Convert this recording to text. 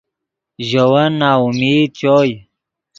ژے ون ناامید چوئے